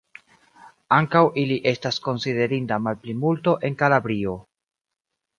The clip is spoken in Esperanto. Ankaŭ ili estas konsiderinda malplimulto en Kalabrio.